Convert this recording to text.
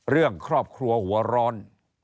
เรื่องครอบครัวหัวร้อน